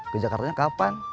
ke jakartanya kapan